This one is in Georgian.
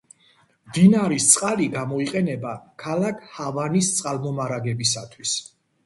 მდინარის წყალი გამოიყენება ქალაქ ჰავანის წყალმომარაგებისათვის.